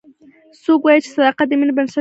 څوک وایي چې صداقت د مینې بنسټ ده